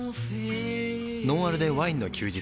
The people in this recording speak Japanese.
「ノンアルでワインの休日」